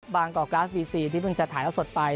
บางก่อกลาสต์บีซี่ที่เพิ่งจะถ่ายได้สดไป